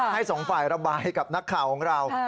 สองฝ่ายระบายกับนักข่าวของเรา